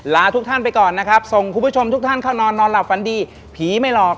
ลาทุกท่านไปก่อนนะครับส่งคุณผู้ชมทุกท่านเข้านอนนอนหลับฝันดีผีไม่หลอก